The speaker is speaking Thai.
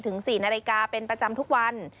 ถึง๔นาฬิกาเป็นประจำทุกวัน